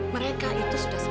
mereka itu sudah selesai